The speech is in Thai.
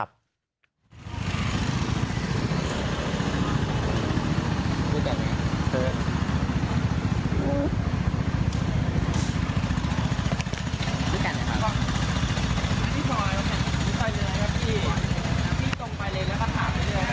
อ๋อพี่ตรงไปเลยแล้วก็ถามเสียเลยก็ได้